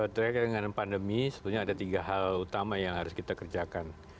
terkait dengan pandemi sebetulnya ada tiga hal utama yang harus kita kerjakan